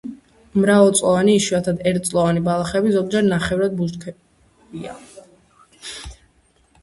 მრავალწლოვანი, იშვიათად ერთწლოვანი ბალახები, ზოგჯერ ნახევრად ბუჩქებია.